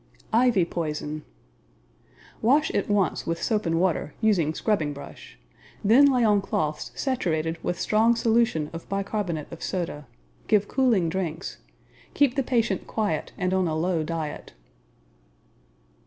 Ivy poison Wash at once with soap and water; using scrubbing brush. Then lay on cloths saturated with strong solution bicarbonate of soda. Give cooling drinks. Keep the patient quiet and on a low diet.